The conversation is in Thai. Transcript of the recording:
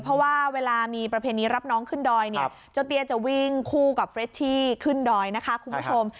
เพราะว่าเวลามีประเพณีรับน้องขึ้นดอยเนี่ยเจ้าเตี้ยจะวิ่งคู่กับเฟรชชี่ขึ้นดอยนะคะคุณผู้ชม